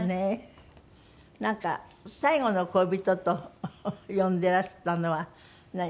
なんか最後の恋人と呼んでいらしたのは何？